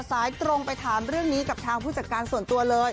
สายตรงไปถามเรื่องนี้กับทางผู้จัดการส่วนตัวเลย